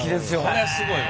これはすごいわ。